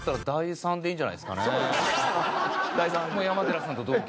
山寺さんと同期。